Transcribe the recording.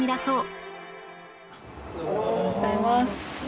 おはようございます。